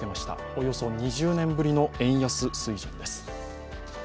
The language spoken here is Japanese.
およそ２０年ぶりの円安水準です。